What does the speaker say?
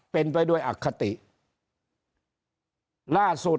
เป็นไปด้วยอคติการชี้แจงของนายกก็สวนกลับ